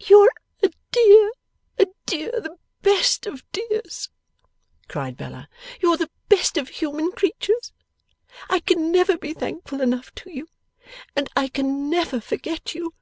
'You're a dear, a dear, the best of dears!' cried Bella. 'You're the best of human creatures. I can never be thankful enough to you, and I can never forget you.